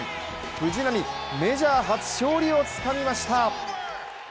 藤浪、メジャー初勝利をつかみました。